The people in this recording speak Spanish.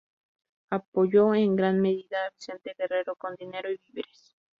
Apoyó en gran medida a Vicente Guerrero con dinero y víveres.